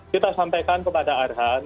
kita sampaikan kepada arhan